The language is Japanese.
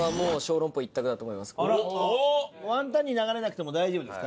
雲呑に流れなくても大丈夫ですか？